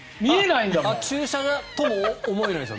あ、注射だとも思えないんですよ